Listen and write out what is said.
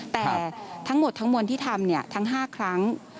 แต่ทั้งหมดทั้งมวลที่ทำทั้ง๕ครั้ง